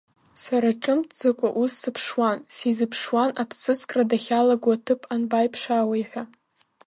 Сара ҿымҭӡакәа ус сыԥшуан, сизыԥшуан аԥсыӡкра дахьалаго аҭыԥ анбаиԥшаауеи ҳәа.